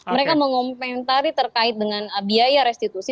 mereka mengomentari terkait dengan biaya restitusi